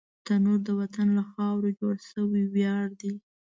تنور د وطن له خاورو جوړ شوی ویاړ دی